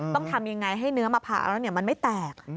ต้องทำยังไงให้เนื้อมะพร้าวแล้วมันไม่แตก